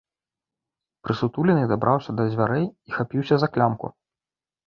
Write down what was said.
Прысутулены дабраўся да дзвярэй і хапіўся за клямку.